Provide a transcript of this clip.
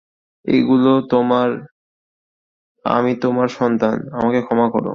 এগুলি তোমার! আমি তোমার সন্তান, আমাকে ক্ষমা কর।